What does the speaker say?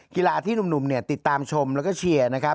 กีฬาที่หนุ่มเนี่ยติดตามชมแล้วก็เชียร์นะครับ